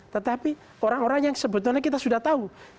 tetapi orang orang yang sebetulnya kita sudah tahu